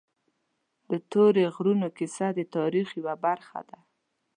د تورې غرونو کیسه د تاریخ یوه برخه ده.